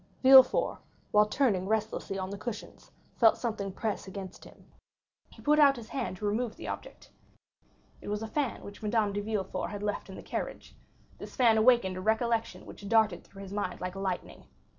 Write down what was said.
Villefort, while turning restlessly on the cushions, felt something press against him. He put out his hand to remove the object; it was a fan which Madame de Villefort had left in the carriage; this fan awakened a recollection which darted through his mind like lightning.